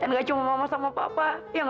awas ya kamu macem macem dandar